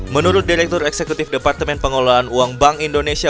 menurut direktur eksekutif departemen pengelolaan uang bank indonesia